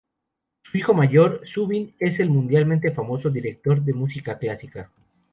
Su hijo mayor, Zubin, es el mundialmente famoso director de música clásica.